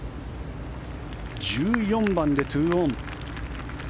１４番で２オン。